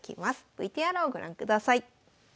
ＶＴＲをご覧ください。